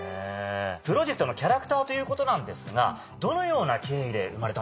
プロジェクトのキャラクターということなんですがどのような経緯で生まれたんですか？